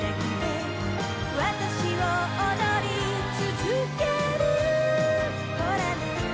「わたしを踊りつづける」「ほらね」